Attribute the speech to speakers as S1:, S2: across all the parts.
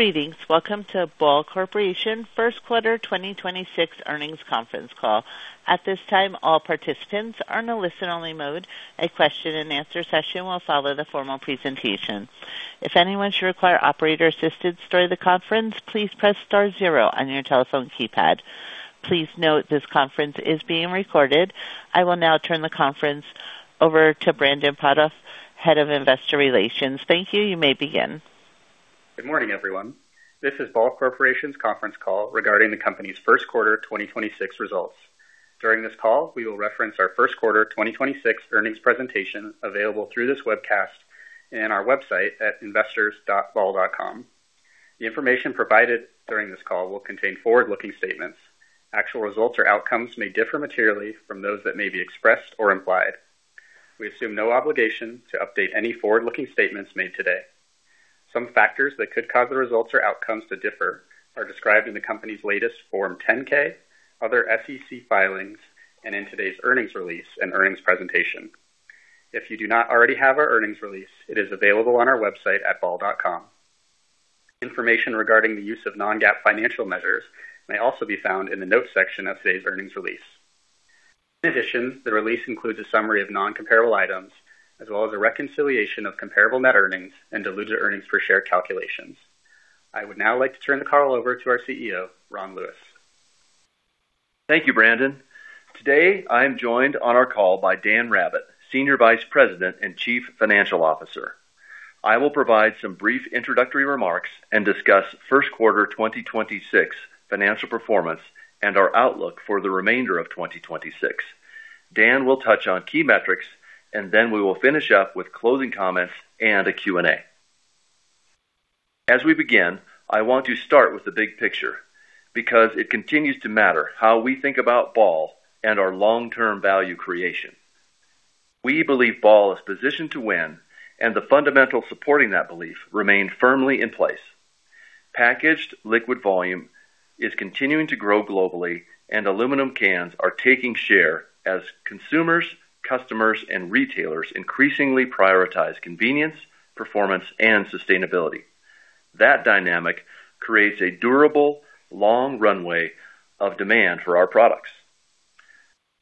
S1: Greetings. Welcome to Ball Corporation First Quarter 2026 Earnings Conference Call. At this time, all participants are in a listen-only mode. A question-and-answer session will follow the formal presentation. If anyone should require operator assistance during the conference, please press star zero on your telephone keypad. I will now turn the conference over to Brandon Potthoff, Head of Investor Relations. Thank you. You may begin.
S2: Good morning, everyone. This is Ball Corporation's conference call regarding the company's first quarter 2026 results. During this call, we will reference our first quarter 2026 earnings presentation available through this webcast and our website at investors.ball.com. The information provided during this call will contain forward-looking statements. Actual results or outcomes may differ materially from those that may be expressed or implied. We assume no obligation to update any forward-looking statements made today. Some factors that could cause the results or outcomes to differ are described in the company's latest Form 10-K, other SEC filings, and in today's earnings release and earnings presentation. If you do not already have our earnings release, it is available on our website at ball.com. Information regarding the use of non-GAAP financial measures may also be found in the notes section of today's earnings release. In addition, the release includes a summary of non-comparable items as well as a reconciliation of comparable net earnings and diluted earnings per share calculations. I would now like to turn the call over to our CEO, Ron Lewis.
S3: Thank you, Brandon. Today, I am joined on our call by Dan Rabbitt, Senior Vice President and Chief Financial Officer. I will provide some brief introductory remarks and discuss first quarter 2026 financial performance and our outlook for the remainder of 2026. Dan will touch on key metrics, and then we will finish up with closing comments and a Q&A. As we begin, I want to start with the big picture because it continues to matter how we think about Ball and our long-term value creation. We believe Ball is positioned to win, and the fundamentals supporting that belief remain firmly in place. Packaged liquid volume is continuing to grow globally, and aluminum cans are taking share as consumers, customers, and retailers increasingly prioritize convenience, performance, and sustainability. That dynamic creates a durable, long runway of demand for our products.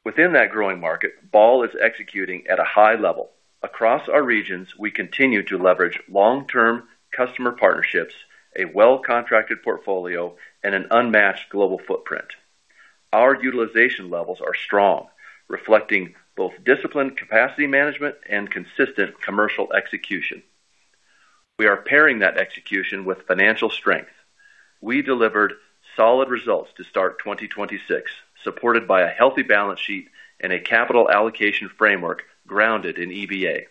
S3: Within that growing market, Ball is executing at a high level. Across our regions, we continue to leverage long-term customer partnerships, a well-contracted portfolio, and an unmatched global footprint. Our utilization levels are strong, reflecting both disciplined capacity management and consistent commercial execution. We are pairing that execution with financial strength. We delivered solid results to start 2026, supported by a healthy balance sheet and a capital allocation framework grounded in EVA.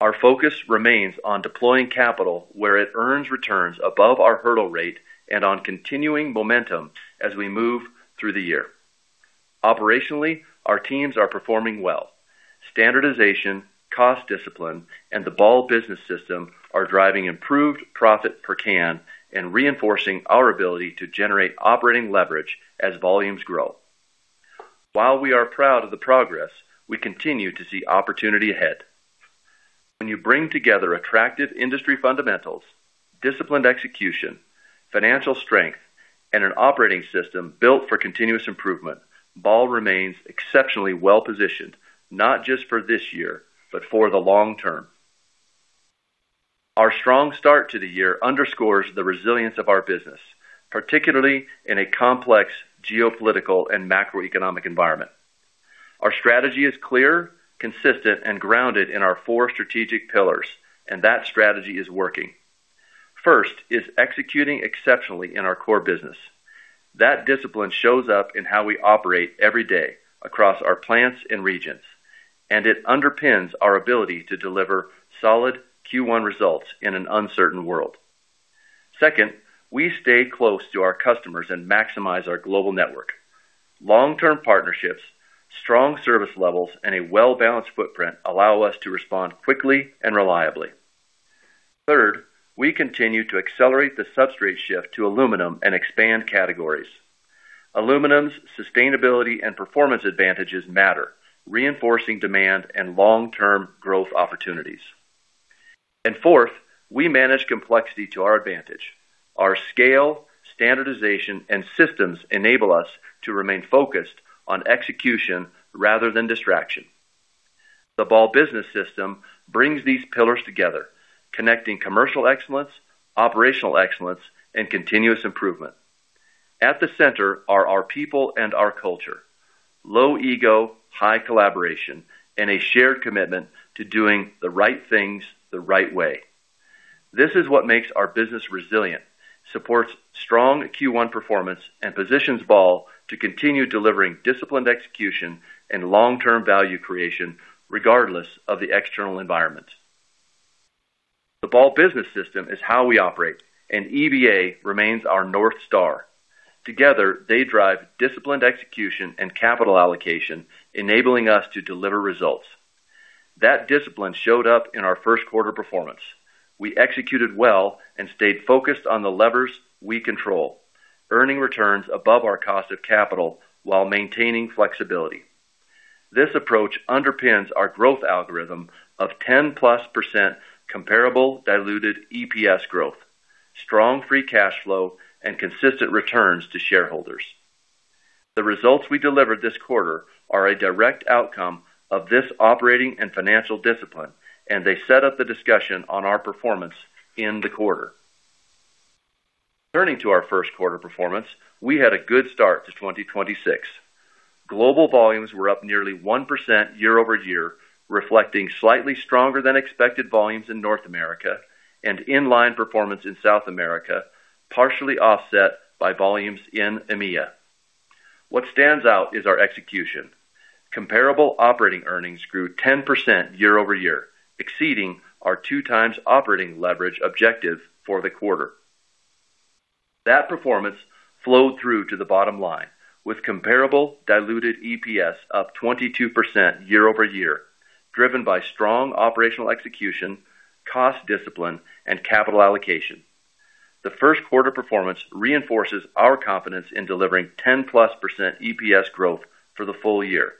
S3: Our focus remains on deploying capital where it earns returns above our hurdle rate and on continuing momentum as we move through the year. Operationally, our teams are performing well. Standardization, cost discipline, and the Ball Business System are driving improved profit per can and reinforcing our ability to generate operating leverage as volumes grow. While we are proud of the progress, we continue to see opportunity ahead. When you bring together attractive industry fundamentals, disciplined execution, financial strength, and an operating system built for continuous improvement, Ball remains exceptionally well-positioned. Not just for this year, but for the long term. Our strong start to the year underscores the resilience of our business, particularly in a complex geopolitical and macroeconomic environment. Our strategy is clear, consistent, and grounded in our four strategic pillars, and that strategy is working. First is executing exceptionally in our core business. That discipline shows up in how we operate every day across our plants and regions, and it underpins our ability to deliver solid Q1 results in an uncertain world. Second, we stay close to our customers and maximize our global network. Long-term partnerships, strong service levels, and a well-balanced footprint allow us to respond quickly and reliably. Third, we continue to accelerate the substrate shift to aluminum and expand categories. Aluminum's sustainability and performance advantages matter, reinforcing demand and long-term growth opportunities. Fourth, we manage complexity to our advantage. Our scale, standardization, and systems enable us to remain focused on execution rather than distraction. The Ball Business System brings these pillars together, connecting commercial excellence, operational excellence, and continuous improvement. At the center are our people and our culture: low ego, high collaboration, and a shared commitment to doing the right things the right way. This is what makes our business resilient, supports strong Q1 performance, and positions Ball to continue delivering disciplined execution and long-term value creation regardless of the external environment. The Ball Business System is how we operate. EVA remains our North Star. Together, they drive disciplined execution and capital allocation, enabling us to deliver results. That discipline showed up in our first quarter performance. We executed well and stayed focused on the levers we control, earning returns above our cost of capital while maintaining flexibility. This approach underpins our growth algorithm of 10%+ comparable diluted EPS growth, strong free cash flow, and consistent returns to shareholders. The results we delivered this quarter are a direct outcome of this operating and financial discipline, and they set up the discussion on our performance in the quarter. Turning to our first quarter performance, we had a good start to 2026. Global volumes were up nearly 1% year-over-year, reflecting slightly stronger than expected volumes in North America and in-line performance in South America, partially offset by volumes in EMEA. What stands out is our execution. Comparable operating earnings grew 10% year-over-year, exceeding our 2x operating leverage objective for the quarter. That performance flowed through to the bottom line with comparable diluted EPS up 22% year-over-year, driven by strong operational execution, cost discipline, and capital allocation. The first quarter performance reinforces our confidence in delivering 10%+ EPS growth for the full year.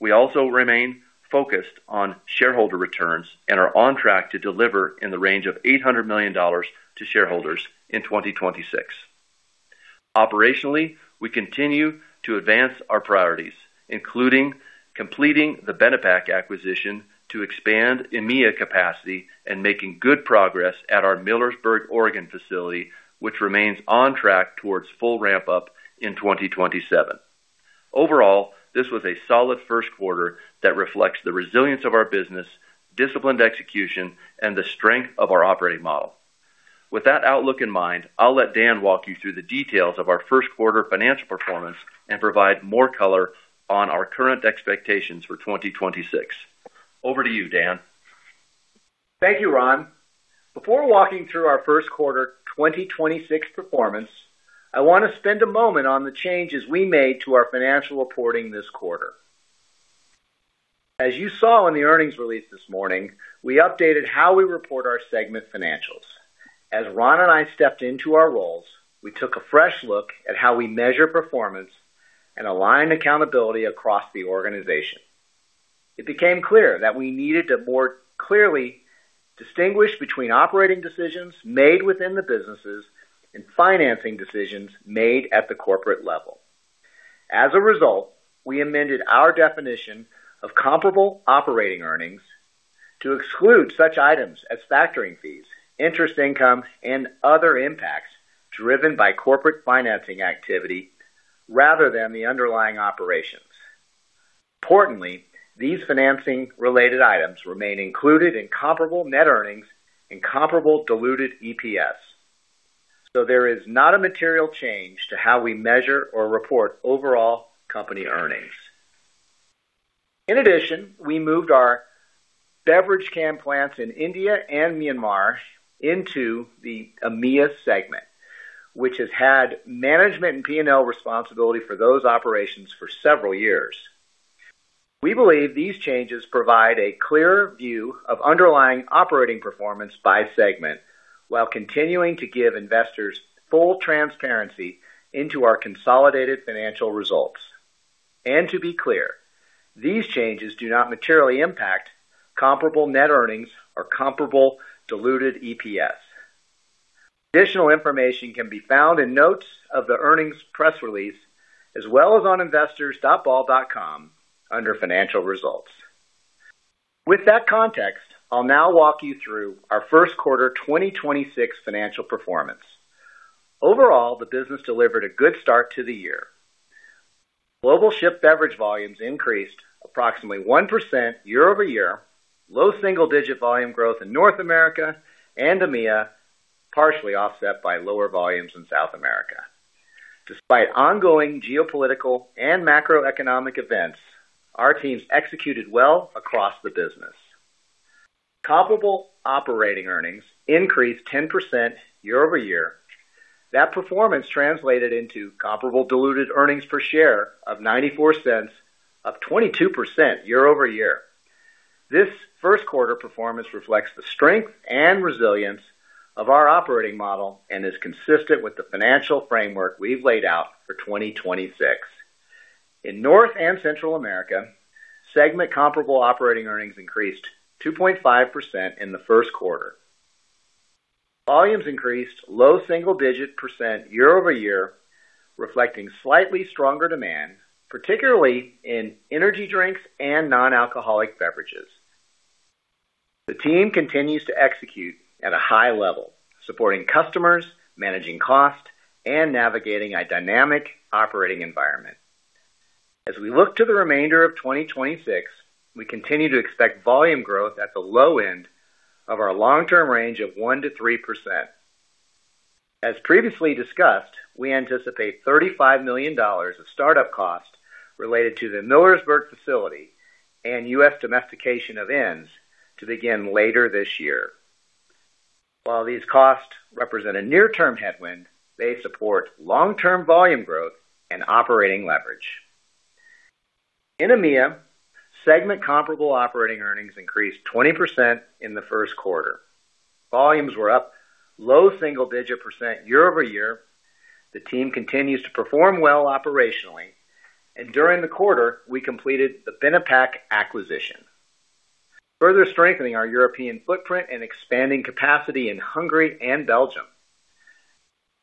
S3: We also remain focused on shareholder returns and are on track to deliver in the range of $800 million to shareholders in 2026. Operationally, we continue to advance our priorities, including completing the Benepack acquisition to expand EMEA capacity and making good progress at our Millersburg, Oregon facility, which remains on track towards full ramp-up in 2027. Overall, this was a solid first quarter that reflects the resilience of our business, disciplined execution, and the strength of our operating model. With that outlook in mind, I'll let Dan walk you through the details of our first quarter financial performance and provide more color on our current expectations for 2026. Over to you, Dan.
S4: Thank you, Ron. Before walking through our first quarter 2026 performance, I want to spend a moment on the changes we made to our financial reporting this quarter. As you saw in the earnings release this morning, we updated how we report our segment financials. As Ron and I stepped into our roles, we took a fresh look at how we measure performance and align accountability across the organization. It became clear that we needed to more clearly distinguish between operating decisions made within the businesses and financing decisions made at the corporate level. As a result, we amended our definition of comparable operating earnings to exclude such items as factoring fees, interest income, and other impacts driven by corporate financing activity rather than the underlying operations. Importantly, these financing-related items remain included in comparable net earnings and comparable diluted EPS. There is not a material change to how we measure or report overall company earnings. In addition, we moved our beverage can plants in India and Myanmar into the EMEA segment, which has had management and P&L responsibility for those operations for several years. We believe these changes provide a clearer view of underlying operating performance by segment, while continuing to give investors full transparency into our consolidated financial results. To be clear, these changes do not materially impact comparable net earnings or comparable diluted EPS. Additional information can be found in notes of the earnings press release, as well as on investors.ball.com under financial results. With that context, I'll now walk you through our first quarter 2026 financial performance. Overall, the business delivered a good start to the year. Global shipped beverage volumes increased approximately 1% year-over-year, low-single-digit volume growth in North America and EMEA, partially offset by lower volumes in South America. Despite ongoing geopolitical and macroeconomic events, our teams executed well across the business. Comparable operating earnings increased 10% year-over-year. That performance translated into comparable diluted earnings per share of $0.94, up 22% year-over-year. This first quarter performance reflects the strength and resilience of our operating model and is consistent with the financial framework we've laid out for 2026. In North and Central America, segment comparable operating earnings increased 2.5% in the first quarter. Volumes increased low-single-digit percent year-over-year, reflecting slightly stronger demand, particularly in energy drinks and non-alcoholic beverages. The team continues to execute at a high level, supporting customers, managing cost, and navigating a dynamic operating environment. As we look to the remainder of 2026, we continue to expect volume growth at the low end of our long-term range of 1%-3%. As previously discussed, we anticipate $35 million of startup costs related to the Millersburg facility and U.S. domestication of ends to begin later this year. While these costs represent a near-term headwind, they support long-term volume growth and operating leverage. In EMEA, segment comparable operating earnings increased 20% in the first quarter. Volumes were up low-single-digit percent year-over-year. The team continues to perform well operationally. During the quarter, we completed the Benepack acquisition, further strengthening our European footprint and expanding capacity in Hungary and Belgium.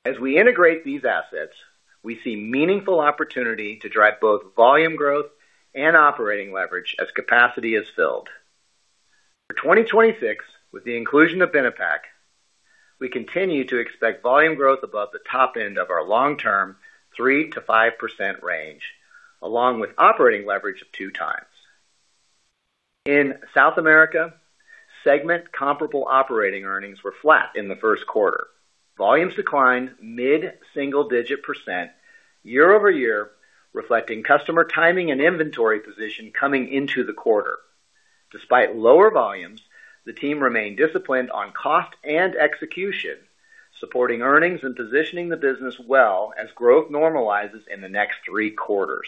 S4: As we integrate these assets, we see meaningful opportunity to drive both volume growth and operating leverage as capacity is filled. For 2026, with the inclusion of Benepack, we continue to expect volume growth above the top end of our long-term 3%-5% range, along with operating leverage of 2x. In South America, segment comparable operating earnings were flat in the first quarter. Volumes declined mid-single digit percent year-over-year, reflecting customer timing and inventory position coming into the quarter. Despite lower volumes, the team remained disciplined on cost and execution, supporting earnings and positioning the business well as growth normalizes in the next three quarters.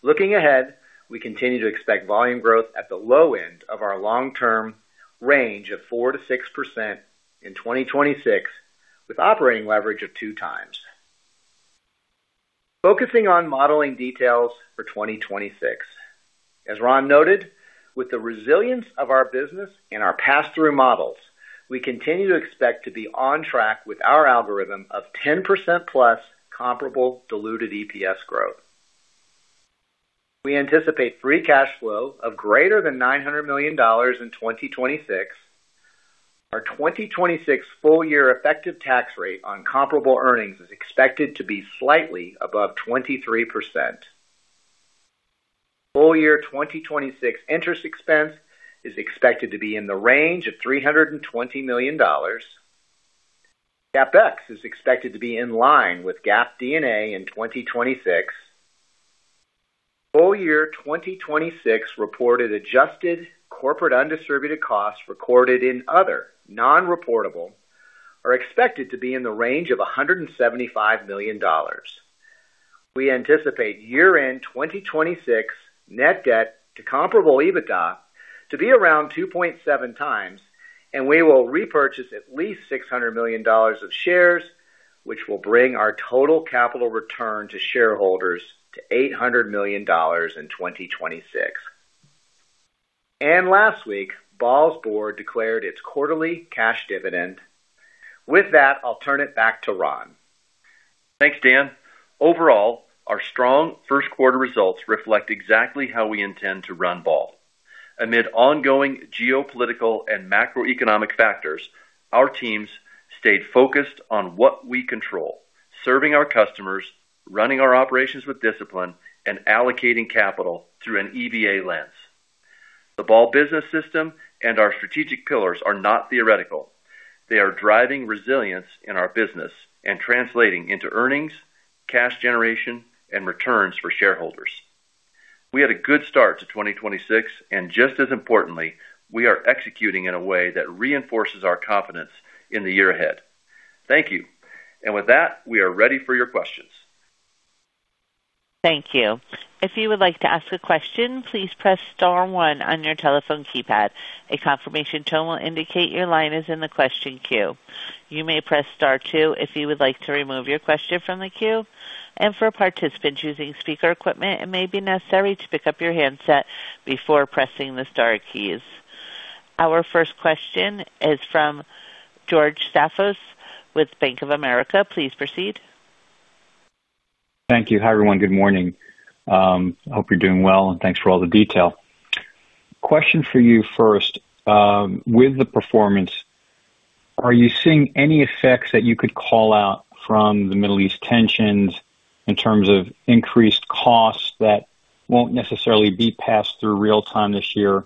S4: Looking ahead, we continue to expect volume growth at the low end of our long-term range of 4%-6% in 2026, with operating leverage of 2x. Focusing on modeling details for 2026. As Ron noted, with the resilience of our business and our pass-through models, we continue to expect to be on track with our algorithm of 10%+ comparable diluted EPS growth. We anticipate free cash flow of greater than $900 million in 2026. Our 2026 full year effective tax rate on comparable earnings is expected to be slightly above 23%. Full-year 2026 interest expense is expected to be in the range of $320 million. CapEx is expected to be in line with GAAP D&A in 2026. Full-year 2026 reported adjusted corporate undistributed costs recorded in other non-reportable are expected to be in the range of $175 million. We anticipate year-end 2026 net debt to comparable EBITDA to be around 2.7x. We will repurchase at least $600 million of shares, which will bring our total capital return to shareholders to $800 million in 2026. Last week, Ball's Board declared its quarterly cash dividend. With that, I'll turn it back to Ron.
S3: Thanks, Dan. Overall, our strong first quarter results reflect exactly how we intend to run Ball. Amid ongoing geopolitical and macroeconomic factors, our teams stayed focused on what we control: serving our customers, running our operations with discipline, and allocating capital through an EVA lens. The Ball Business System and our strategic pillars are not theoretical. They are driving resilience in our business and translating into earnings, cash generation, and returns for shareholders. We had a good start to 2026, and just as importantly, we are executing in a way that reinforces our confidence in the year ahead. Thank you. With that, we are ready for your questions.
S1: Thank you. If you would like to ask a question, please press star one on your telephone keypad. A confirmation tone will indicate your line is in the question queue. You may press star two if you would like to remove your question from the queue. For a participant choosing speaker equipment, it may be necessary to pick up your handset before pressing the star keys. Our first question is from George Staphos with Bank of America. Please proceed.
S5: Thank you. Hi, everyone. Good morning. I hope you're doing well, and thanks for all the detail. Question for you first. With the performance, are you seeing any effects that you could call out from the Middle East tensions in terms of increased costs that won't necessarily be passed through real time this year?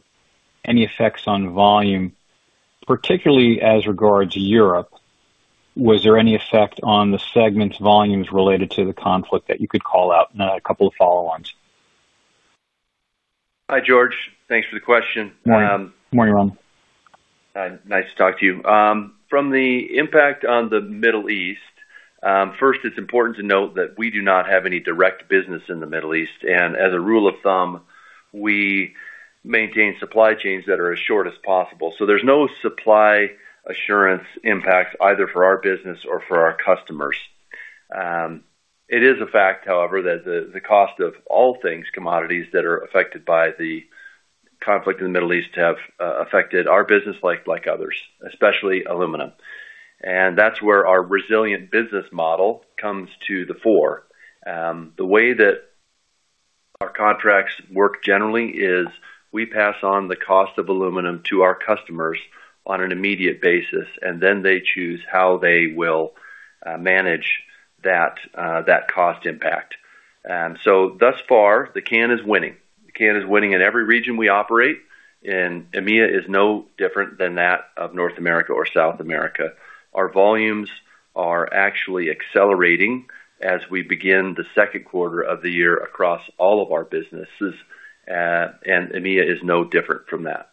S5: Any effects on volume, particularly as regards Europe? Was there any effect on the segment's volumes related to the conflict that you could call out? I have a couple of follow-ons.
S3: Hi, George. Thanks for the question.
S5: Morning. Morning, Ron.
S3: Nice to talk to you. From the impact on the Middle East, first, it's important to note that we do not have any direct business in the Middle East. As a rule of thumb, we maintain supply chains that are as short as possible. There's no supply assurance impacts either for our business or for our customers. It is a fact, however, that the cost of all things commodities that are affected by the conflict in the Middle East have affected our business life like others, especially aluminum. That's where our resilient business model comes to the fore. The way that our contracts work generally is we pass on the cost of aluminum to our customers on an immediate basis, and then they choose how they will manage that cost impact. Thus far, the can is winning. The can is winning in every region we operate. EMEA is no different than that of North America or South America. Our volumes are actually accelerating as we begin the second quarter of the year across all of our businesses, and EMEA is no different from that.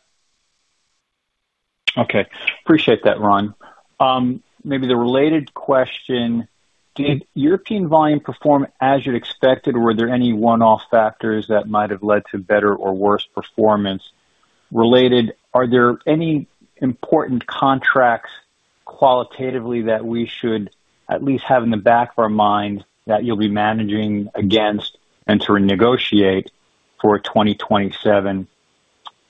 S5: Okay. Appreciate that, Ron. Maybe the related question, did European volume perform as you'd expected? Were there any one-off factors that might have led to better or worse performance related? Are there any important contracts qualitatively that we should, at least have in the back of our mind, that you'll be managing against and to renegotiate for 2027?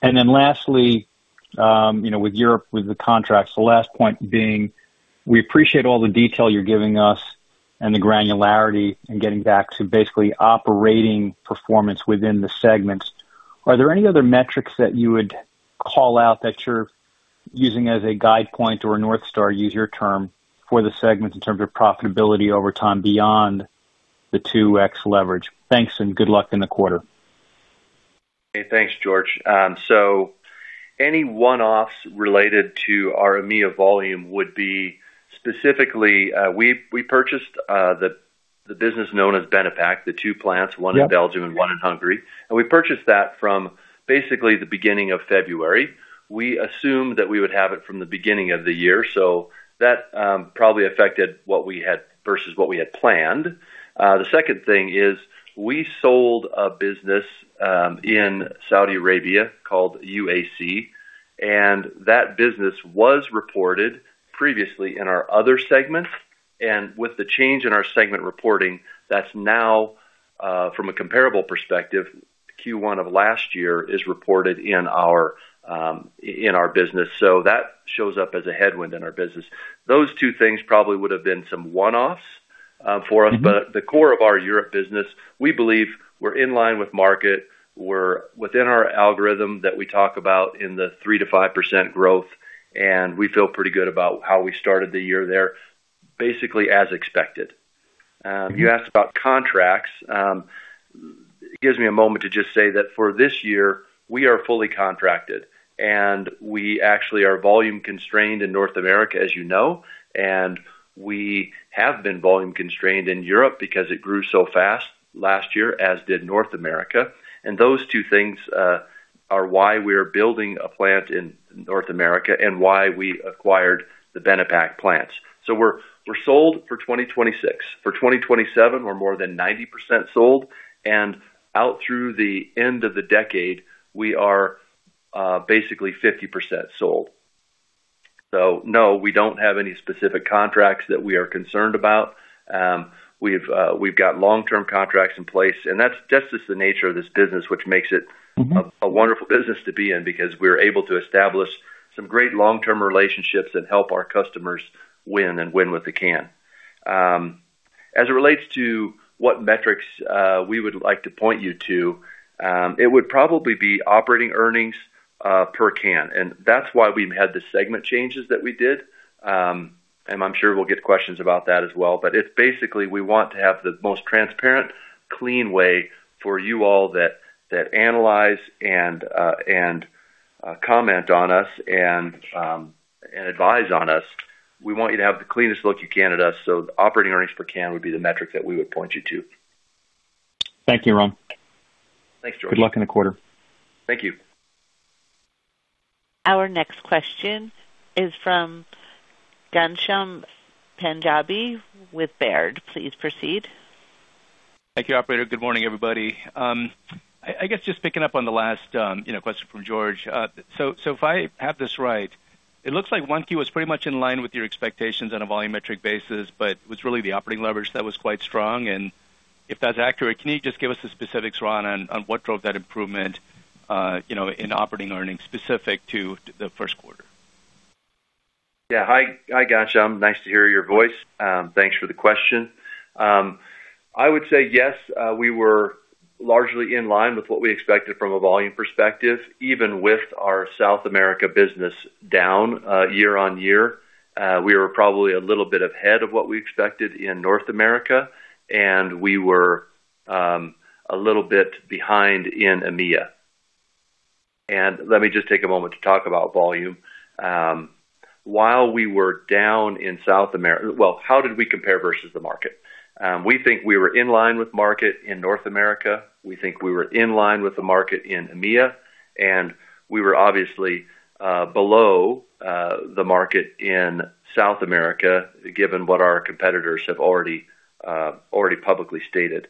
S5: Lastly, you know, with Europe, with the contracts. The last point being, we appreciate all the detail you're giving us and the granularity and getting back to basically operating performance within the segments. Are there any other metrics that you would call out that you're using as a guide point or a North Star, use your term, for the segments in terms of profitability over time beyond the 2x leverage? Thanks. Good luck in the quarter.
S3: Hey, thanks, George. Any one-offs related to our EMEA volume would be specifically, we purchased the business known as Benepack. The two plants, one in Belgium and one in Hungary. We purchased that from basically the beginning of February. We assumed that we would have it from the beginning of the year, that probably affected what we had versus what we had planned. The second thing is we sold a business in Saudi Arabia called UAC, and that business was reported previously in our other segments. With the change in our segment reporting, that's now from a comparable perspective. Q1 of last year is reported in our in our business. That shows up as a headwind in our business. Those two things probably would have been some one-offs for us. The core of our Europe business, we believe we're in line with market. We're within our algorithm that we talk about in the 3%-5% growth, and we feel pretty good about how we started the year there, basically as expected. You asked about contracts. Gives me a moment to just say that for this year, we are fully contracted. We actually are volume constrained in North America, as you know. We have been volume constrained in Europe because it grew so fast last year, as did North America. Those two things are why we're building a plant in North America and why we acquired the Benepack plants. We're sold for 2026. For 2027, we're more than 90% sold. Out through the end of the decade, we are basically 50% sold. No, we don't have any specific contracts that we are concerned about. We've got long-term contracts in place. That's just as the nature of this business which makes it a wonderful business to be in because we're able to establish some great long-term relationships that help our customers win and win with the can. As it relates to what metrics we would like to point you to, it would probably be operating earnings per can, and that's why we've had the segment changes that we did. I'm sure we'll get questions about that as well. It's basically we want to have the most transparent, clean way for you all that analyze and comment on us and advise on us. We want you to have the cleanest look you can at us. The operating earnings per can would be the metric that we would point you to.
S5: Thank you, Ron.
S3: Thanks, George.
S5: Good luck in the quarter.
S3: Thank you.
S1: Our next question is from Ghansham Panjabi with Baird. Please proceed.
S6: Thank you, operator. Good morning, everybody. I guess just picking up on the last, you know, question from George. If I have this right, it looks like 1Q was pretty much in line with your expectations on a volumetric basis. It was really the operating leverage that was quite strong. If that's accurate, can you just give us the specifics, Ron, on what drove that improvement, you know, in operating earnings specific to the first quarter?
S3: Hi. Hi, Ghansham. Nice to hear your voice. Thanks for the question. I would say yes, we were largely in line with what we expected from a volume perspective, even with our South America business down year-on-year. We were probably a little bit ahead of what we expected in North America and we were a little bit behind in EMEA. Let me just take a moment to talk about volume. While we were down in South America, well, how did we compare versus the market? We think we were in line with market in North America. We think we were in line with the market in EMEA. We were obviously below the market in South America, given what our competitors have already publicly stated.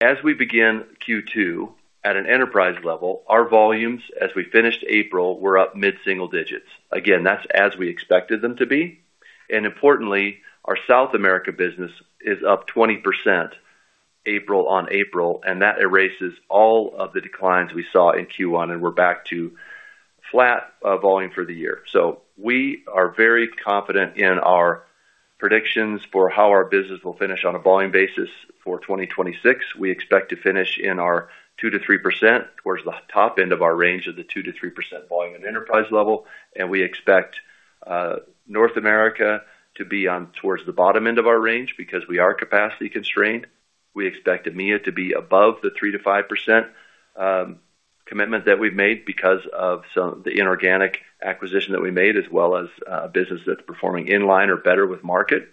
S3: As we begin Q2 at an enterprise level, our volumes as we finished April were up mid-single digits. Again, that's as we expected them to be. Importantly, our South America business is up 20% April on April, and that erases all of the declines we saw in Q1. We're back to flat volume for the year. We are very confident in our predictions for how our business will finish on a volume basis for 2026. We expect to finish in our 2%-3% towards the top end of our range of the 2%-3% volume and enterprise level. We expect North America to be on towards the bottom end of our range because we are capacity constrained. We expect EMEA to be above the 3%-5% commitment that we've made because of the inorganic acquisition that we made, as well as, business that's performing in line or better with market.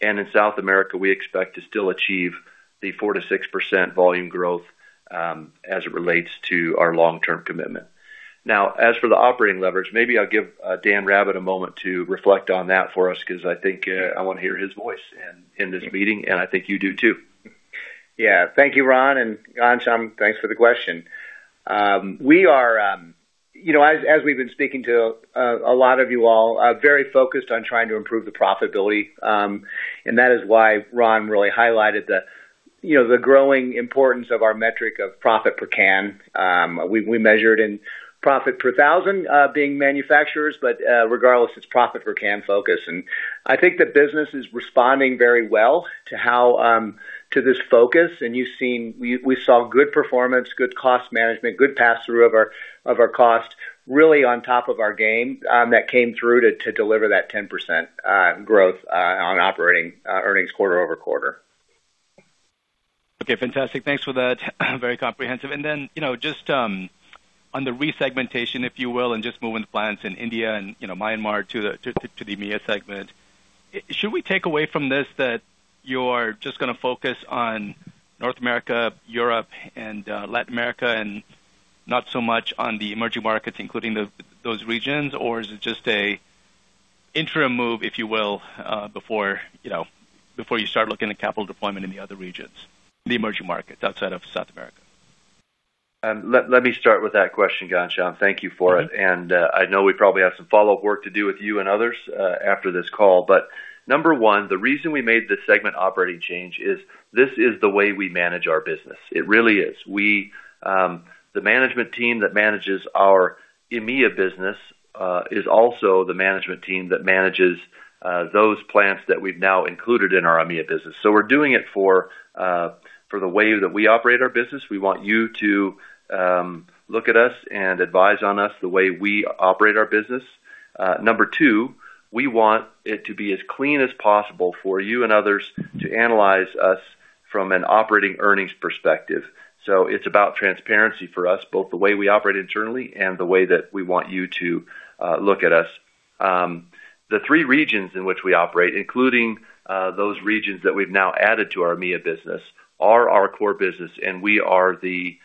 S3: In South America, we expect to still achieve the 4%-6% volume growth as it relates to our long-term commitment. As for the operating leverage, maybe I'll give Dan Rabbitt a moment to reflect on that for us because I think I wanna hear his voice in this meeting. I think you do too.
S4: Yeah. Thank you, Ron. Ghansham, thanks for the question. We are, you know, as we've been speaking to, a lot of you all, are very focused on trying to improve the profitability. That is why Ron really highlighted the, you know, the growing importance of our metric of profit per can. We measured in profit per thousand being manufacturers, regardless, it's profit per can focus. I think the business is responding very well to how to this focus. We saw good performance, good cost management, good pass-through of our, of our cost, really on top of our game, that came through to deliver that 10% growth on operating earnings quarter-over-quarter.
S6: Okay. Fantastic. Thanks for that. Very comprehensive. You know, just on the resegmentation, if you will and just moving plants in India and, you know, Myanmar to the EMEA segment. Should we take away from this that you're just gonna focus on North America, Europe, and Latin America, not so much on the emerging markets, including those regions? Is it just a interim move, if you will, before, you know, before you start looking at capital deployment in the other regions, the emerging markets outside of South America?
S3: Let me start with that question, Ghansham. Thank you for it. I know we probably have some follow-up work to do with you and others after this call. Number one, the reason we made this segment operating change is this is the way we manage our business. It really is. We, the management team that manages our EMEA business, is also the management team that manages those plants that we've now included in our EMEA business. We're doing it for the way that we operate our business. We want you to look at us and advise on us the way we operate our business. Number two, we want it to be as clean as possible for you and others to analyze us from an operating earnings perspective. It's about transparency for us, both the way we operate internally and the way that we want you to look at us. The three regions in which we operate, including those regions that we've now added to our EMEA business, are our core business. We are the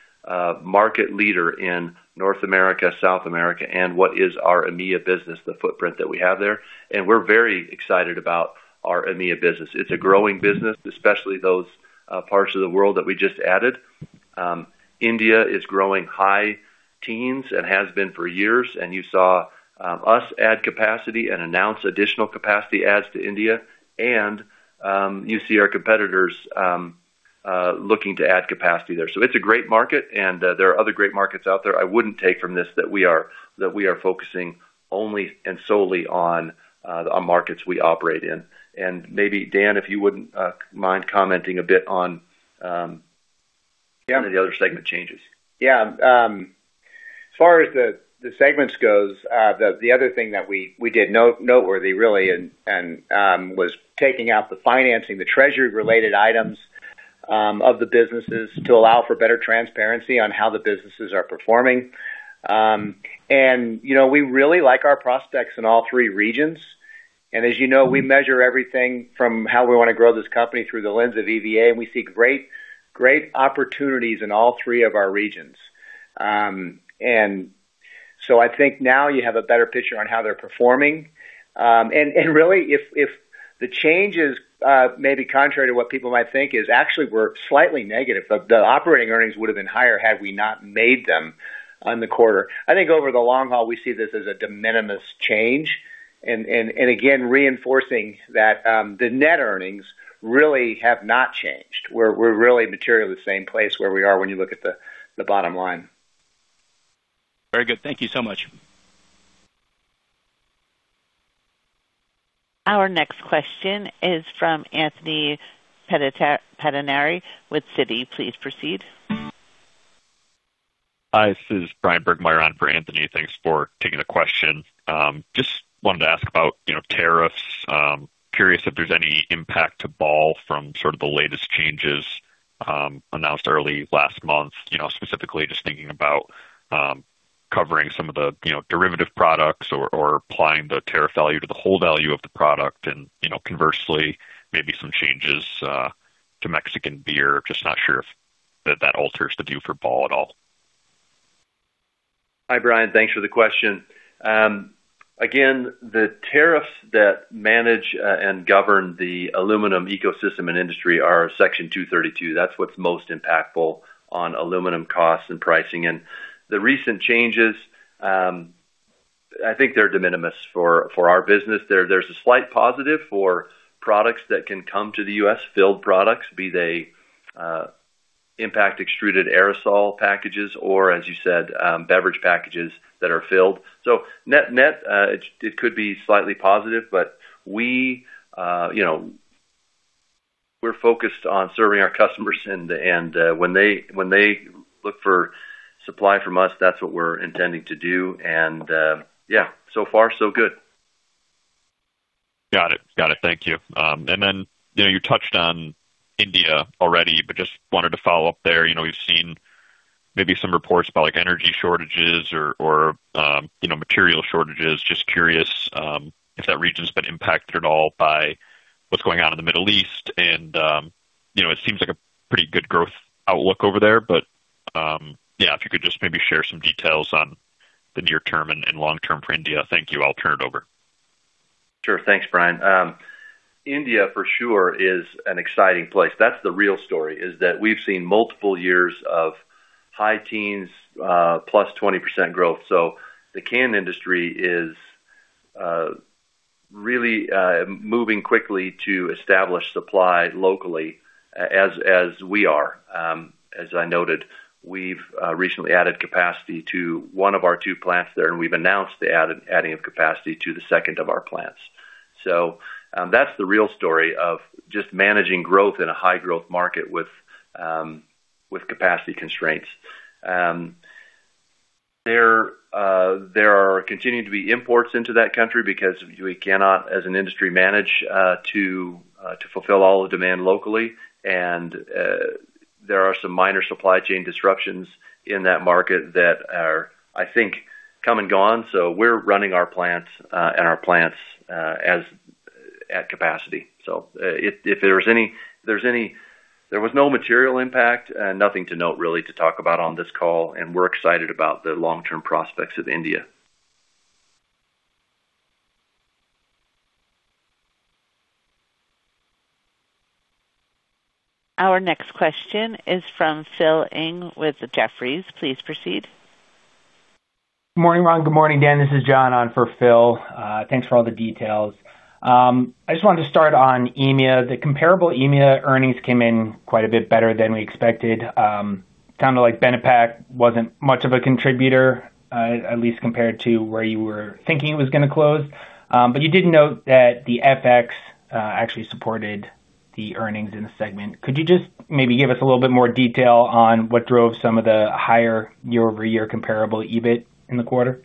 S3: market leader in North America, South America, and what is our EMEA business, the footprint that we have there. We're very excited about our EMEA business. It's a growing business, especially those parts of the world that we just added. India is growing high teens and has been for years, and you saw us add capacity and announce additional capacity adds to India, and you see our competitors looking to add capacity there. It's a great market, and there are other great markets out there. I wouldn't take from this that we are focusing only and solely on the markets we operate in. Maybe, Dan, if you wouldn't mind commenting a bit on-
S4: Yeah....
S3: any of the other segment changes.
S4: Yeah. As far as the segments goes, the other thing that we did noteworthy really was taking out the financing, the treasury related items of the businesses to allow for better transparency on how the businesses are performing. You know, we really like our prospects in all three regions. As you know, we measure everything from how we want to grow this company through the lens of EVA. We see great opportunities in all three of our regions. I think now you have a better picture on how they're performing. Really, if the changes, maybe contrary to what people might think is actually were slightly negative. The operating earnings would have been higher had we not made them on the quarter. I think over the long haul, we see this as a de minimis change. Again, reinforcing that, the net earnings really have not changed. We're really materially the same place where we are when you look at the bottom line.
S6: Very good. Thank you so much.
S1: Our next question is from Anthony Pettinari with Citi. Please proceed.
S7: Hi, this is Bryan Burgmeier on for Anthony. Thanks for taking the question. Just wanted to ask about, you know, tariffs. Curious if there's any impact to Ball from sort of the latest changes announced early last month. You know, specifically just thinking about covering some of the, you know, derivative products or applying the tariff value to the whole value of the product and, you know, conversely, maybe some changes to Mexican beer. Just not sure if that alters the view for Ball at all.
S3: Hi, Bryan. Thanks for the question. Again, the tariffs that manage and govern the aluminum ecosystem and industry are Section 232. That's what's most impactful on aluminum costs and pricing. The recent changes, I think they're de minimis for our business. There's a slight positive for products that can come to the U.S., filled products. Be they impact extruded aerosol packages or, as you said, beverage packages that are filled. Net, net, it could be slightly positive, but we, you know, we're focused on serving our customers. When they look for supply from us, that's what we're intending to do. Yeah, so far so good.
S7: Got it. Got it. Thank you. Then, you know, you touched on India already. Just wanted to follow up there. You know, maybe some reports about like energy shortages or, you know, material shortages. Just curious, if that region's been impacted at all by what's going on in the Middle East and, you know, it seems like a pretty good growth outlook over there. Yeah, if you could just maybe share some details on the near term and long term for India. Thank you. I'll turn it over.
S3: Sure. Thanks, Bryan. India for sure is an exciting place. That's the real story, is that we've seen multiple years of high teens plus 20% growth. The can industry is really moving quickly to establish supply locally, as we are. As I noted, we've recently added capacity to one of our two plants there. We've announced the adding of capacity to the second of our plants. That's the real story of just managing growth in a high growth market with capacity constraints. There are continuing to be imports into that country because we cannot, as an industry, manage to fulfill all the demand locally. There are some minor supply chain disruptions in that market that are, I think, come and gone. We're running our plants at capacity. There was no material impact and nothing to note really to talk about on this call, and we're excited about the long-term prospects of India.
S1: Our next question is from Philip Ng with Jefferies. Please proceed.
S8: Morning, Ron. Good morning, Dan. This is John on for Phil. Thanks for all the details. I just wanted to start on EMEA. The comparable EMEA earnings came in quite a bit better than we expected. Kinda like Benepack wasn't much of a contributor, at least compared to where you were thinking it was gonna close. You did note that the FX actually supported the earnings in the segment. Could you just maybe give us a little bit more detail on what drove some of the higher year-over-year comparable EBIT in the quarter?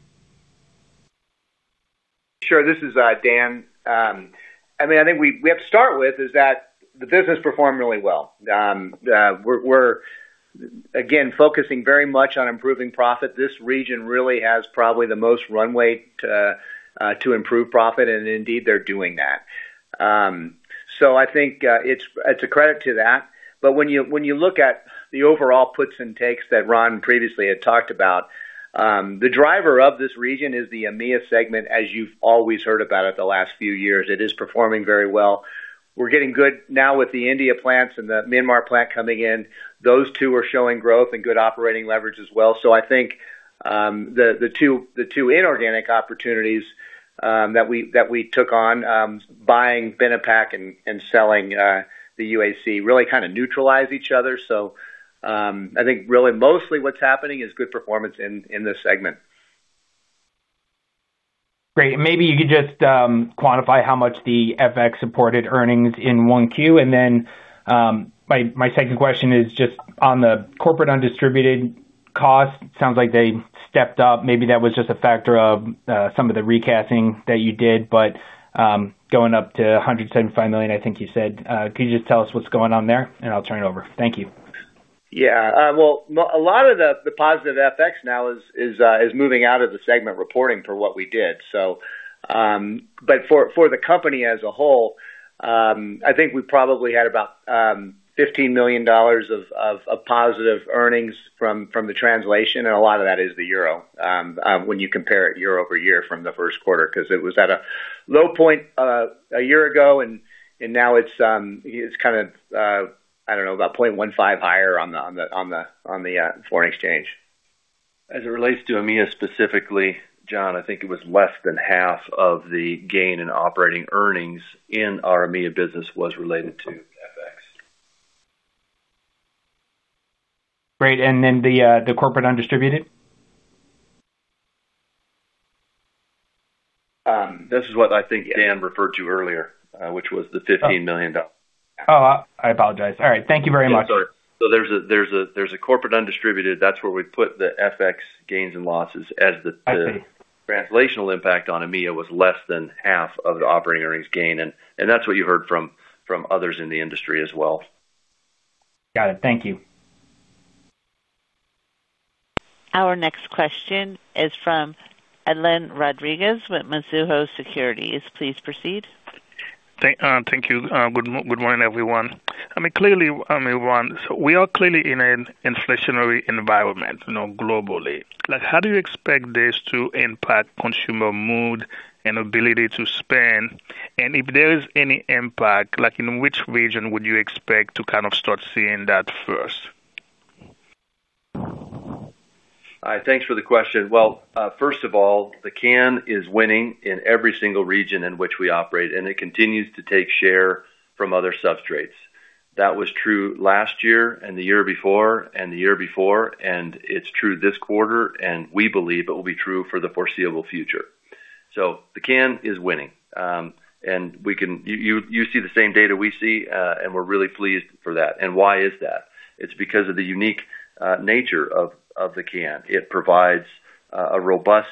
S4: Sure. This is Dan. I mean, I think we have to start with is that the business performed really well. We're again, focusing very much on improving profit. This region really has probably the most runway to improve profit and indeed they're doing that. I think it's a credit to that. When you look at the overall puts and takes that Ron previously had talked about, the driver of this region is the EMEA segment, as you've always heard about it the last few years. It is performing very well. We're getting good now with the India plants and the Myanmar plant coming in. Those two are showing growth and good operating leverage as well. I think the two inorganic opportunities that we took on, buying Benepack and selling the UAC really kinda neutralize each other. I think really mostly what's happening is good performance in this segment.
S8: Great. Maybe you could just quantify how much the FX supported earnings in 1Q. My second question is just on the corporate undistributed cost. Sounds like they stepped up. Maybe that was just a factor of some of the recasting that you did, but going up to $175 million, I think you said. Could you just tell us what's going on there? I'll turn it over. Thank you.
S4: Yeah. A lot of the positive FX now is moving out of the segment reporting for what we did. For the company as a whole, I think we probably had about $15 million of positive earnings from the translation. A lot of that is the euro when you compare it year-over-year from the first quarter. It was at a low point a year ago, and now it's kind of I don't know, about 0.15 higher on the foreign exchange.
S3: As it relates to EMEA specifically, John, I think it was less than half of the gain in operating earnings in our EMEA business was related to FX.
S8: Great. The corporate undistributed?
S3: This is what I think Dan referred to earlier, which was the $15 million.
S8: Oh, I apologize. All right. Thank you very much.
S4: Yeah, sorry. There's a corporate undistributed. That's where we put the FX gains and losses-
S8: I see....
S4: as the translational impact on EMEA was less than half of the operating earnings gain. That's what you heard from others in the industry as well.
S8: Got it. Thank you.
S1: Our next question is from Edlain Rodriguez with Mizuho Securities. Please proceed.
S9: Thank you. Good morning, everyone. I mean, clearly, I mean, Ron, we are clearly in an inflationary environment, you know, globally. Like, how do you expect this to impact consumer mood and ability to spend? If there is any impact, like, in which region would you expect to kind of start seeing that first?
S3: Thanks for the question. Well, first of all, the can is winning in every single region in which we operate, and it continues to take share from other substrates. That was true last year and the year before and the year before, and it's true this quarter, and we believe it will be true for the foreseeable future. The can is winning. You see the same data we see, and we're really pleased for that. Why is that? It's because of the unique nature of the can. It provides a robust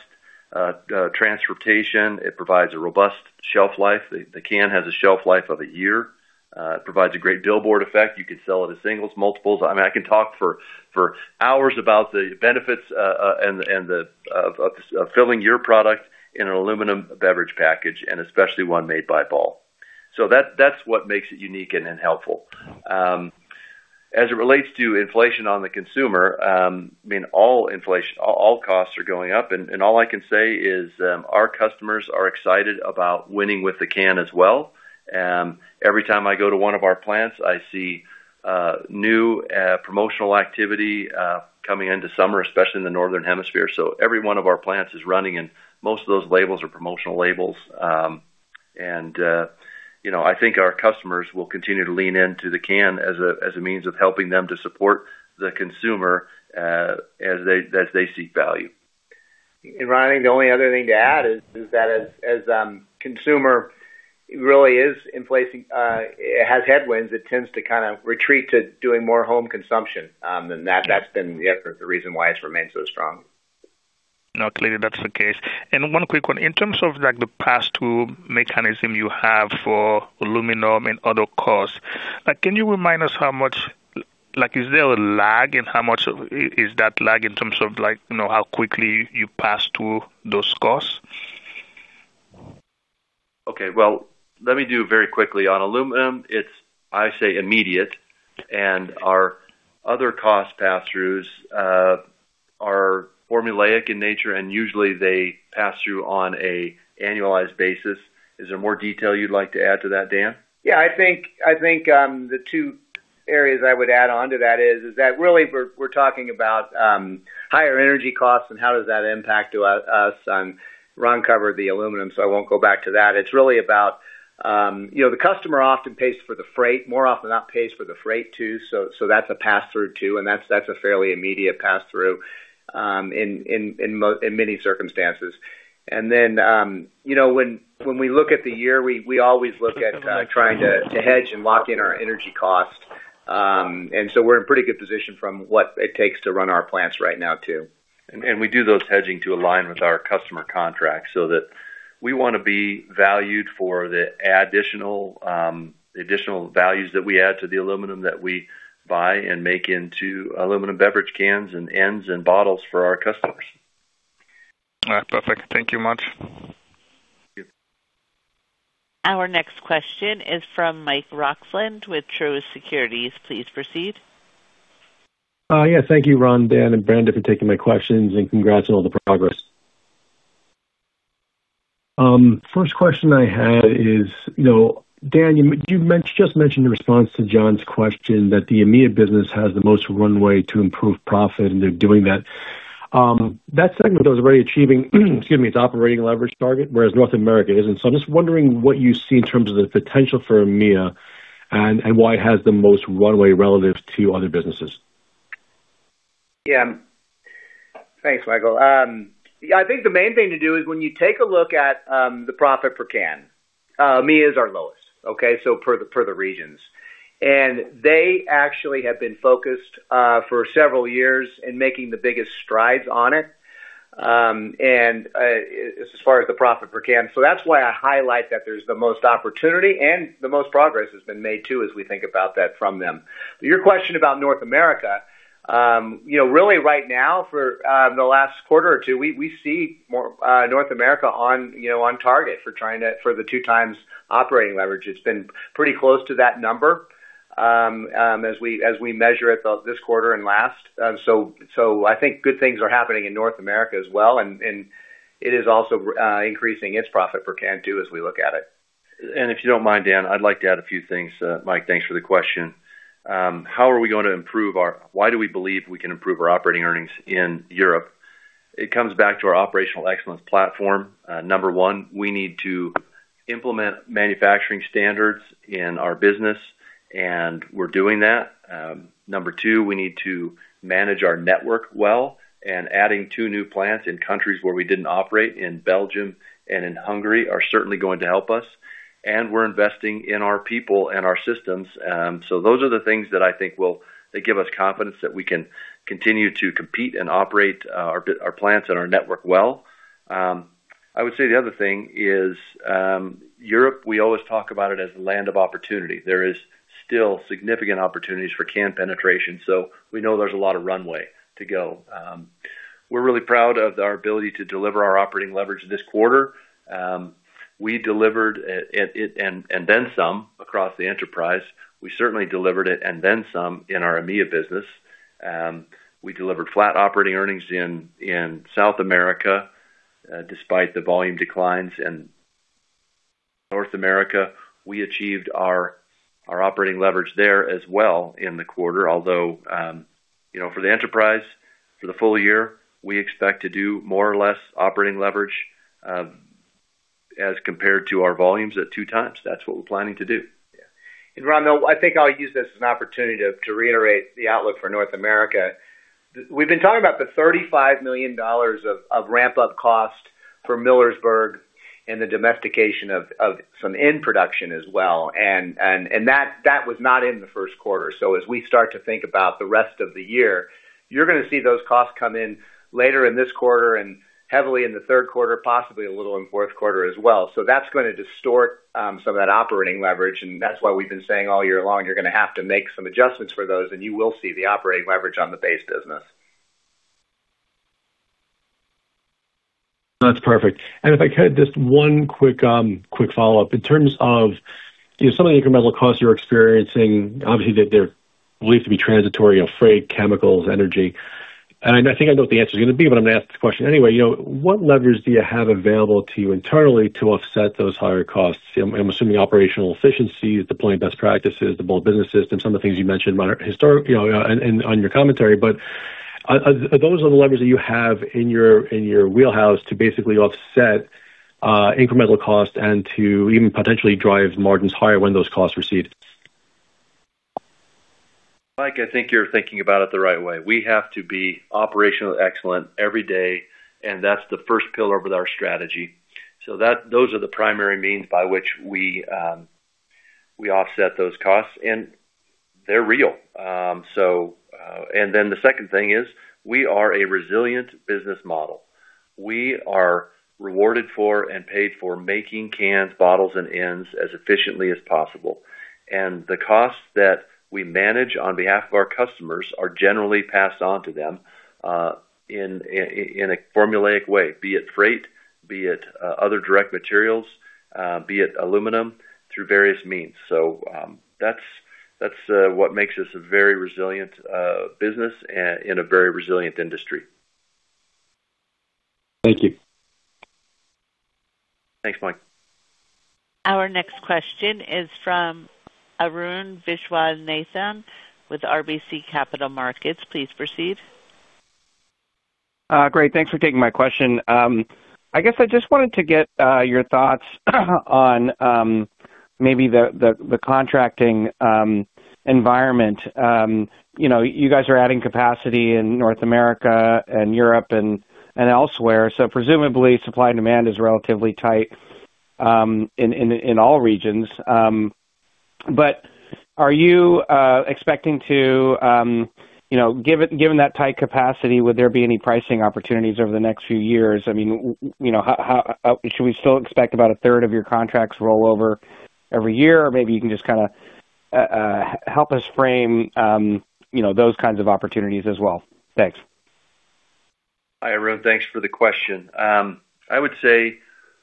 S3: transportation. It provides a robust shelf life. The can has a shelf life of a year. It provides a great billboard effect. You could sell it as singles, multiples. I mean, I can talk for hours about the benefits of filling your product in an aluminum beverage package, and especially one made by Ball. That's what makes it unique and helpful. As it relates to inflation on the consumer, I mean all inflation, all costs are going up. All I can say is, our customers are excited about winning with the can as well. Every time I go to one of our plants, I see new promotional activity coming into summer, especially in the northern hemisphere. Every one of our plants is running, and most of those labels are promotional labels. You know, I think our customers will continue to lean into the can as a means of helping them to support the consumer as they seek value.
S4: Ron, I think the only other thing to add is that as consumer really is inflating, it has headwinds. It tends to kind of retreat to doing more home consumption. That's been the reason why it's remained so strong.
S9: No, clearly that's the case. One quick one. In terms of like the pass-through mechanism you have for aluminum and other costs, like can you remind us how much, is there a lag? How much of is that lag in terms of like, you know, how quickly you pass through those costs?
S3: Okay. Well, let me do it very quickly. On aluminum, it's, I say, immediate. Our other cost pass-throughs are formulaic in nature, and usually they pass through on a annualized basis. Is there more detail you'd like to add to that, Dan?
S4: Yeah, I think, I think, the two areas I would add on to that is that really we're talking about higher energy costs and how does that impact to us. Ron covered the aluminum. I won't go back to that. It's really about, you know, the customer often pays for the freight, more often than not pays for the freight too. That's a pass-through, too. That's a fairly immediate pass-through in many circumstances. When we look at the year, we always look at trying to hedge and lock in our energy costs. We're in pretty good position from what it takes to run our plants right now, too.
S3: We do those hedging to align with our customer contracts so that we wanna be valued for the additional values that we add to the aluminum that we buy and make into aluminum beverage cans and ends and bottles for our customers.
S9: All right. Perfect. Thank you much.
S3: Thank you.
S1: Our next question is from Mike Roxland with Truist Securities. Please proceed.
S10: Yes. Thank you Ron, Dan and Brandon for taking my questions, and congrats on all the progress. First question I had is, you know, Dan, you've mentioned, just mentioned in response to John's question that the EMEA business has the most runway to improve profit, and they're doing that. That segment was already achieving, excuse me, its operating leverage target, whereas North America isn't. I'm just wondering what you see in terms of the potential for EMEA and why it has the most runway relative to other businesses?
S4: Yeah. Thanks, Michael. Yeah, I think the main thing to do is when you take a look at the profit per can, EMEA is our lowest, okay? For the regions. They actually have been focused for several years in making the biggest strides on it, as far as the profit per can. That's why I highlight that there's the most opportunity and the most progress has been made too, as we think about that from them. Your question about North America. You know, really right now for the last quarter or two, we see more North America on, you know, on target for the 2x operating leverage. It's been pretty close to that number as we measure it both this quarter and last. I think good things are happening in North America as well. It is also increasing its profit per can too, as we look at it.
S3: If you don't mind, Dan, I'd like to add a few things. Mike, thanks for the question. How are we gonna improve our... Why do we believe we can improve our operating earnings in Europe? It comes back to our operational excellence platform. Number one, we need to implement manufacturing standards in our business. We're doing that. Number two, we need to manage our network well. Adding two new plants in countries where we didn't operate, in Belgium and in Hungary, are certainly going to help us. We're investing in our people and our systems. Those are the things that I think will give us confidence that we can continue to compete and operate our plants and our network well. I would say the other thing is, Europe, we always talk about it as the land of opportunity. There is still significant opportunities for can penetration, so we know there's a lot of runway to go. We're really proud of our ability to deliver our operating leverage this quarter. We delivered it and then some across the enterprise. We certainly delivered it and then some in our EMEA business. We delivered flat operating earnings in South America despite the volume declines. In North America, we achieved our operating leverage there as well in the quarter. Although, you know, for the enterprise for the full year, we expect to do more or less operating leverage as compared to our volumes at 2x. That's what we're planning to do.
S4: Yeah. Ron, I think I'll use this as an opportunity to reiterate the outlook for North America. We've been talking about the $35 million of ramp-up cost for Millersburg. The domestication of some end production as well. That was not in the first quarter. As we start to think about the rest of the year, you're gonna see those costs come in later in this quarter and heavily in the third quarter, possibly a little in fourth quarter as well. That's gonna distort some of that operating leverage. That's why we've been saying all year long, you're gonna have to make some adjustments for those, and you will see the operating leverage on the base business.
S10: That's perfect. If I could, just one quick follow-up. In terms of, you know, some of the incremental costs you're experiencing, obviously they're believed to be transitory, you know, freight, chemicals, energy. I think I know what the answer is gonna be, but I'm gonna ask the question anyway. You know, what levers do you have available to you internally to offset those higher costs? You know, I'm assuming operational efficiencies, deploying best practices, the Ball Business System, some of the things you mentioned, you know, on your commentary. Are those the levers that you have in your wheelhouse to basically offset incremental cost and to even potentially drive margins higher when those costs recede?
S3: Mike, I think you're thinking about it the right way. We have to be operationally excellent every day and that's the first pillar of our strategy. Those are the primary means by which we offset those costs. They're real. The second thing is we are a resilient business model. We are rewarded for and paid for making cans, bottles, and ends as efficiently as possible. The costs that we manage on behalf of our customers are generally passed on to them, in a formulaic way. Be it freight, be it other direct materials, be it aluminum. Through various means. That's, that's what makes us a very resilient business in a very resilient industry.
S10: Thank you.
S3: Thanks, Mike.
S1: Our next question is from Arun Viswanathan with RBC Capital Markets. Please proceed.
S11: Great. Thanks for taking my question. I guess I just wanted to get your thoughts on maybe the contracting environment. You know, you guys are adding capacity in North America and Europe and elsewhere, so presumably supply and demand is relatively tight in all regions. Are you expecting to, you know, given that tight capacity, would there be any pricing opportunities over the next few years? I mean, you know, how should we still expect about 1/3 of your contracts rollover every year? Maybe you can just kinda help us frame, you know, those kinds of opportunities as well. Thanks.
S3: Hi, Arun. Thanks for the question. I would say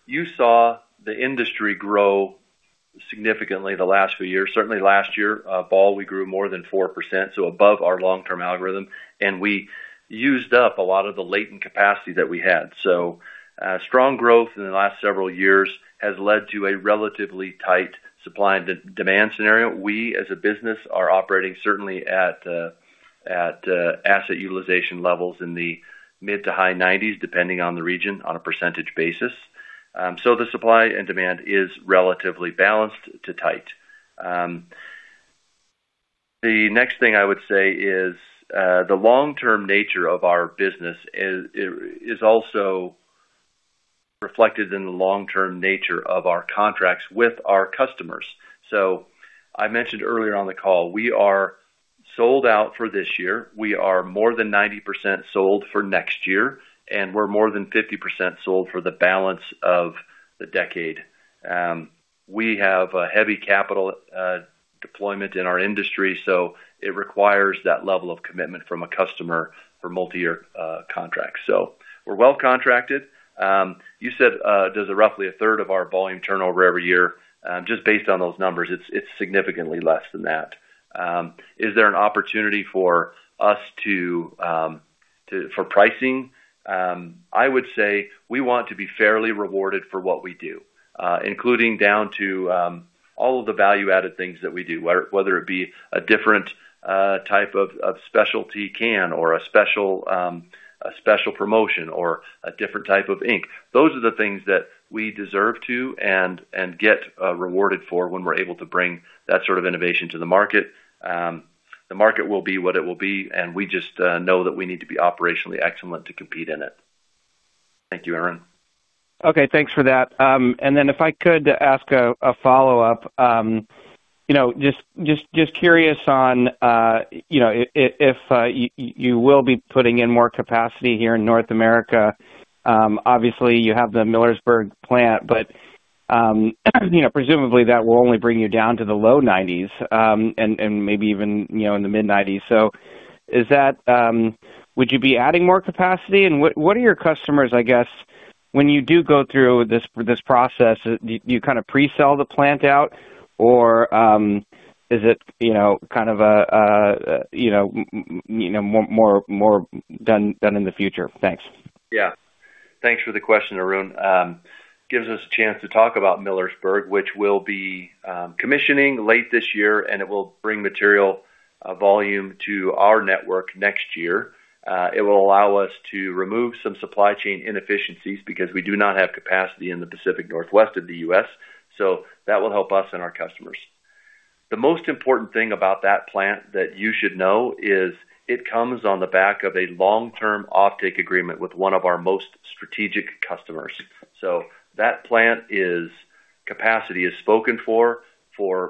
S3: you saw the industry grow significantly the last few years. Certainly last year, Ball, we grew more than 4%, above our long-term algorithm. We used up a lot of the latent capacity that we had. Strong growth in the last several years has led to a relatively tight supply and demand scenario. We, as a business, are operating certainly at asset utilization levels in the mid to high 90s, depending on the region on a percentage basis. The supply and demand is relatively balanced to tight. The next thing I would say is the long-term nature of our business is also reflected in the long-term nature of our contracts with our customers. I mentioned earlier on the call, we are sold out for this year. We are more than 90% sold for next year and we're more than 50% sold for the balance of the decade. We have a heavy capital deployment in our industry, so it requires that level of commitment from a customer for multiyear contracts. We're well contracted. You said, does roughly 1/3 of our volume turnover every year. Just based on those numbers, it's significantly less than that. Is there an opportunity for us for pricing? I would say, we want to be fairly rewarded for what we do, including down to all of the value-added things that we do. Whether it be a different type of specialty can or a special promotion or a different type of ink. Those are the things that we deserve to and get rewarded for when we're able to bring that sort of innovation to the market. The market will be what it will be, and we just know that we need to be operationally excellent to compete in it. Thank you, Arun.
S11: Okay, thanks for that. And then if I could ask a follow-up. You know, just curious on, you know, if you will be putting in more capacity here in North America. Obviously you have the Millersburg plant, but, you know, presumably that will only bring you down to the low 90s. Maybe even, you know, in the mid-90s. Is that, would you be adding more capacity? What are your customers, I guess, when you do go through this process, do you kind of pre-sell the plant out or, is it, you know, kind of a, you know, more done in the future? Thanks.
S3: Thanks for the question, Arun. It gives us a chance to talk about Millersburg, which we'll be commissioning late this year. It will bring material volume to our network next year. It will allow us to remove some supply chain inefficiencies because we do not have capacity in the Pacific Northwest of the U.S., so that will help us and our customers. The most important thing about that plant that you should know is it comes on the back of a long-term offtake agreement with one of our most strategic customers. That plant is capacity is spoken for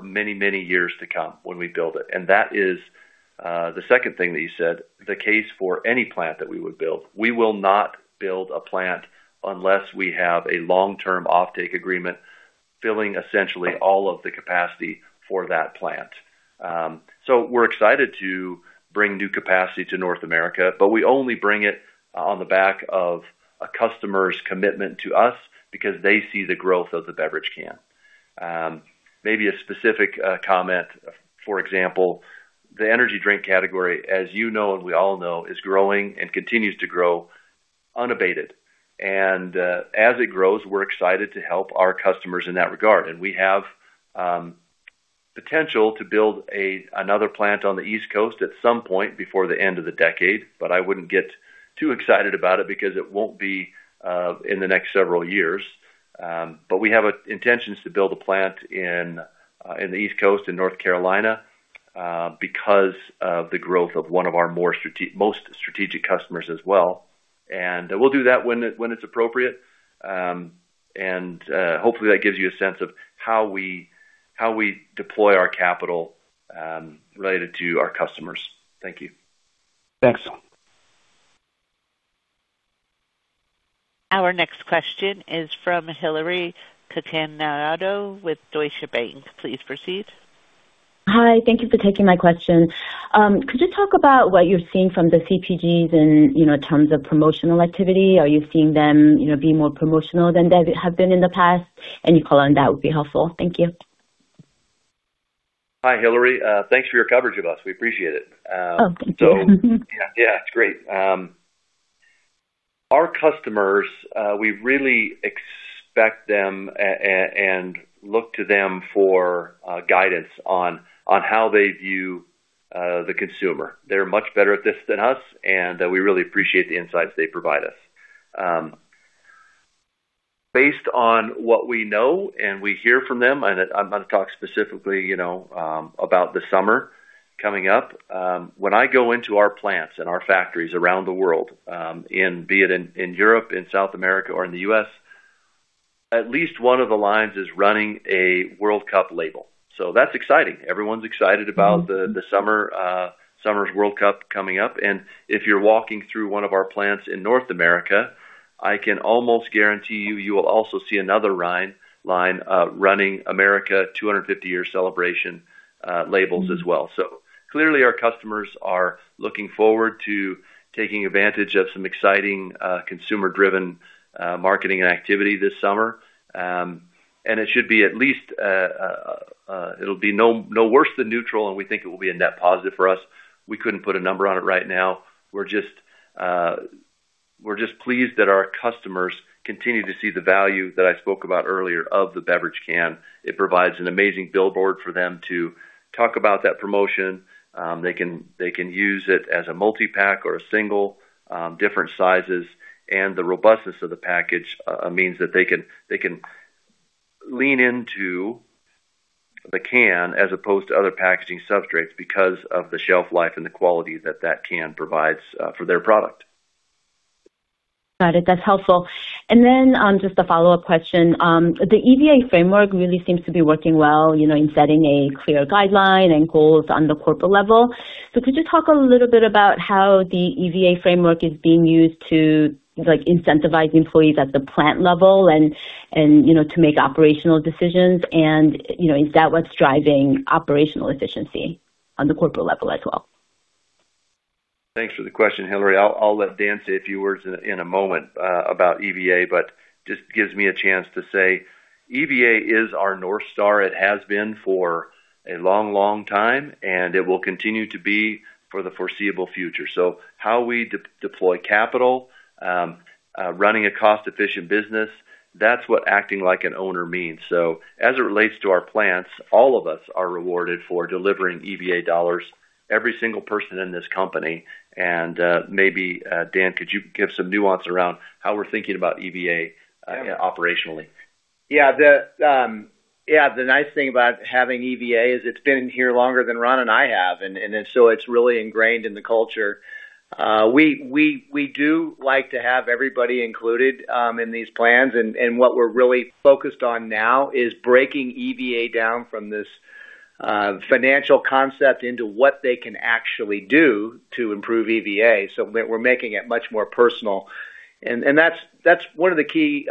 S3: many, many years to come when we build it. That is the second thing that you said, the case for any plant that we would build. We will not build a plant unless we have a long-term offtake agreement filling essentially all of the capacity for that plant. We're excited to bring new capacity to North America, but we only bring it on the back of a customer's commitment to us because they see the growth of the beverage can. Maybe a specific comment, for example, the energy drink category, as you know and we all know, is growing and continues to grow unabated. As it grows, we're excited to help our customers in that regard. We have potential to build another plant on the East Coast at some point before the end of the decade, but I wouldn't get too excited about it because it won't be in the next several years. We have intentions to build a plant in the East Coast, in North Carolina, because of the growth of one of our most strategic customers as well. We'll do that when it's appropriate. Hopefully that gives you a sense of how we deploy our capital related to our customers. Thank you.
S11: Thanks.
S1: Our next question is from Hillary Cacanando with Deutsche Bank. Please proceed.
S12: Hi, thank you for taking my question. Could you talk about what you're seeing from the CPGs in, you know, terms of promotional activity? Are you seeing them, you know, be more promotional than they have been in the past? Any color on that would be helpful. Thank you.
S3: Hi, Hillary. Thanks for your coverage of us. We appreciate it.
S12: Thank you.
S3: Yeah, it's great. Our customers, we really expect them and look to them for guidance on how they view the consumer. They're much better at this than us and we really appreciate the insights they provide us. Based on what we know and we hear from them. I'm gonna talk specifically, you know, about the summer coming up. When I go into our plants and our factories around the world, be it in Europe, in South America or in the U.S., at least one of the lines is running a World Cup label. That's exciting. Everyone's excited about the summer's World Cup coming up. If you're walking through one of our plants in North America, I can almost guarantee you will also see another line running America 250 year celebration labels as well. Clearly, our customers are looking forward to taking advantage of some exciting consumer-driven marketing and activity this summer. It should be at least, it'll be no worse than neutral, and we think it will be a net positive for us. We couldn't put a number on it right now. We're just pleased that our customers continue to see the value that I spoke about earlier of the beverage can. It provides an amazing billboard for them to talk about that promotion. They can use it as a multi-pack or a single, different sizes. The robustness of the package means that they can lean into the can as opposed to other packaging substrates because of the shelf life and the quality that that can provides for their product.
S12: Got it. That's helpful. Then, just a follow-up question. The EVA framework really seems to be working well, you know, in setting a clear guideline and goals on the corporate level. Could you talk a little bit about how the EVA framework is being used to, like, incentivize employees at the plant level and, you know, to make operational decisions? You know, is that what's driving operational efficiency on the corporate level as well?
S3: Thanks for the question, Hillary. I'll let Dan say a few words in a moment about EVA, but just gives me a chance to say EVA is our North Star. It has been for a long, long time. It will continue to be for the foreseeable future. How we deploy capital, running a cost-efficient business, that's what acting like an owner means. As it relates to our plants, all of us are rewarded for delivering EVA dollars. Every single person in this company. Maybe, Dan, could you give some nuance around how we're thinking about EVA operationally?
S4: Yeah. The nice thing about having EVA is it's been in here longer than Ron and I have, and so it's really ingrained in the culture. We do like to have everybody included in these plans. What we're really focused on now is breaking EVA down from this financial concept into what they can actually do to improve EVA. We're making it much more personal. That's one of the key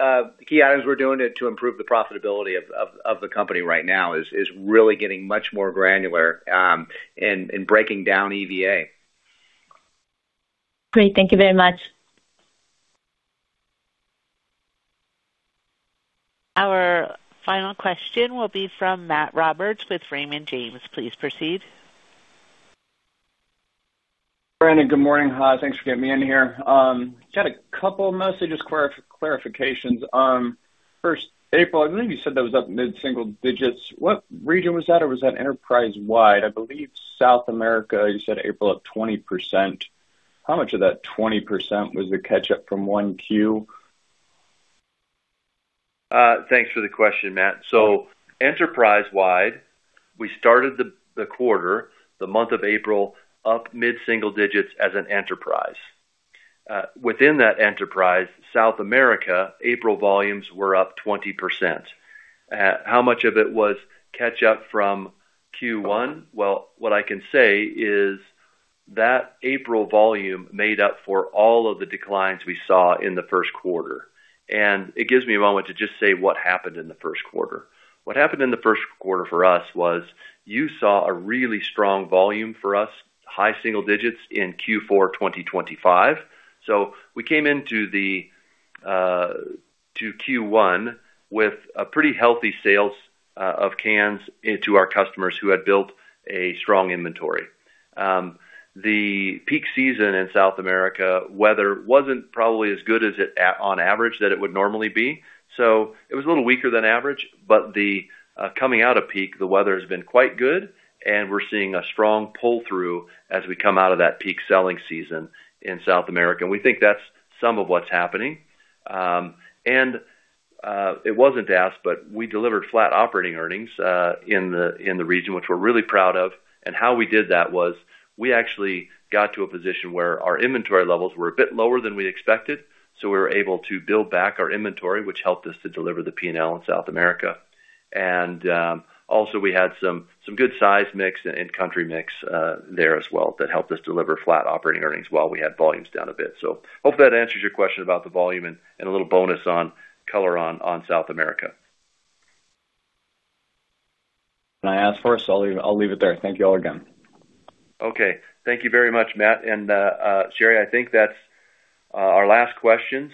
S4: items we're doing it to improve the profitability of the company right now is really getting much more granular in breaking down EVA.
S12: Great. Thank you very much.
S1: Our final question will be from Matt Roberts with Raymond James. Please proceed.
S13: Brandon, good morning. Hi, thanks for getting me in here. Just had a couple of mostly just clarifications. First, April. I believe you said that was up mid-single digits. What region was that, or was that enterprise-wide? I believe South America, you said April, up 20%. How much of that 20% was the catch-up from 1Q?
S3: Thanks for the question, Matt. Enterprise-wide, we started the quarter, the month of April, up mid-single digits as an enterprise. Within that enterprise, South America, April volumes were up 20%. How much of it was catch up from Q1? Well, what I can say is that April volume made up for all of the declines we saw in the first quarter. It gives me a moment to just say what happened in the first quarter. What happened in the first quarter for us was you saw a really strong volume for us, high single digits in Q4 2025. We came into Q1 with a pretty healthy sales of cans into our customers who had built a strong inventory. The peak season in South America, weather wasn't probably as good as it on average that it would normally be. It was a little weaker than average, but the coming out of peak, the weather has been quite good. We're seeing a strong pull-through as we come out of that peak selling season in South America. We think that's some of what's happening. It wasn't asked, but we delivered flat operating earnings in the region, which we're really proud of. How we did that was we actually got to a position where our inventory levels were a bit lower than we expected, so we were able to build back our inventory, which helped us to deliver the P&L in South America. Also, we had some good size mix and country mix there as well that helped us deliver flat operating earnings while we had volumes down a bit. Hope that answers your question about the volume and a little bonus on color on South America.
S13: I asked first, I'll leave it there. Thank you all again.
S3: Okay. Thank you very much, Matt. Sherry, I think that's our last question.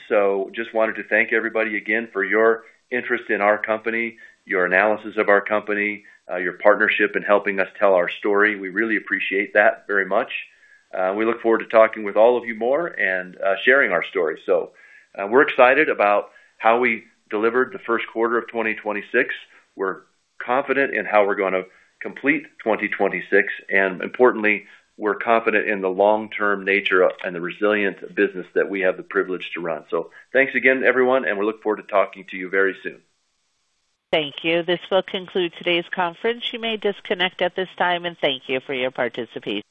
S3: Just wanted to thank everybody again for your interest in our company, your analysis of our company, your partnership in helping us tell our story. We really appreciate that very much. We look forward to talking with all of you more and sharing our story. We're excited about how we delivered the first quarter of 2026. We're confident in how we're gonna complete 2026. Importantly, we're confident in the long-term nature and the resilient business that we have the privilege to run. Thanks again, everyone, and we look forward to talking to you very soon.
S1: Thank you. This will conclude today's conference. You may disconnect at this time, and thank you for your participation.